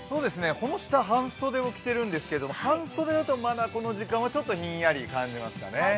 この下、半袖を着ているんですけど半袖だとまだこの時間はちょっとひんやり感じますかね。